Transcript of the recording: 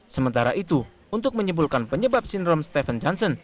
sementara itu untuk menyimpulkan penyebab sindrom stephen johnson